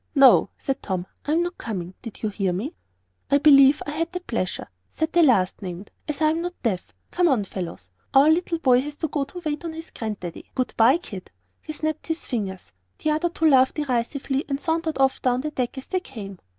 "No," said Tom, "I'm not coming. Did you hear me?" "I believe I had that pleasure," said the last named, "as I am not deaf. Come on, fellows; our little boy has got to wait on his Grandpappy. Good by, kid!" He snapped his fingers; the other two laughed derisively, and sauntered off down the deck as they came.